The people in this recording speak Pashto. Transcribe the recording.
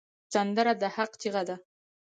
سندره د حق چیغه ده